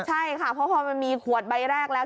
ใช่ค่ะเพราะพอมันมีขวดใบแรกแล้ว